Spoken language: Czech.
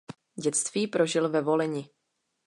Dětství prožil ve Volyni.